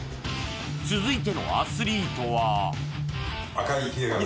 続いてのアスリートは！